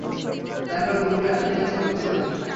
তারপর দুপুরে আসিয়াছিল কুসুম।